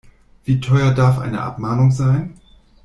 Wie teuer darf eine Abmahnung sein?